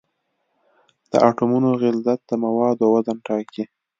د اټومونو غلظت د موادو وزن ټاکي.